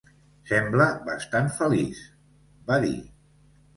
"Sembla bastant feliç", va dir.